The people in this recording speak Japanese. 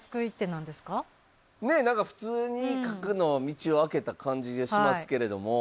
ねえ何か普通に角の道を開けた感じがしますけれども。